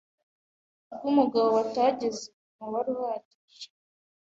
rw umugabo batageze ku mubare uhagije